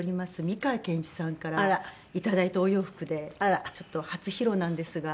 美川憲一さんからいただいたお洋服でちょっと初披露なんですが。